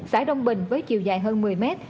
xã đông bình với chiều dài hơn một mươi mét